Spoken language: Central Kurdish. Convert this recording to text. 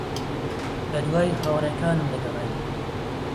بەدوای ھاوڕێکانم دەگەڕێم.